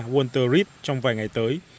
walter reed trong vài ngày tới